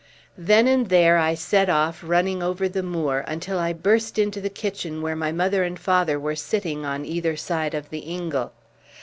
Then and there I set off running over the moor, until I burst into the kitchen where my mother and father were sitting on either side of the ingle.